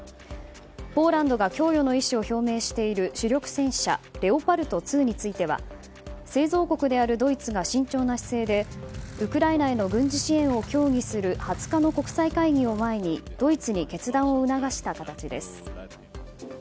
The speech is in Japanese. ポーランドが供与の意思を表明している主力戦車レオパルト２については製造国であるドイツが慎重な姿勢でウクライナへの軍事支援を協議する２０日の国際会議を前にドイツに決断を促した形です。